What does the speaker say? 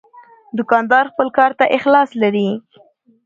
دوکاندار خپل کار ته اخلاص لري.